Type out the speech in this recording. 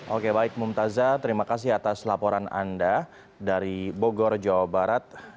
oke baik mumtazah terima kasih atas laporan anda dari bogor jawa barat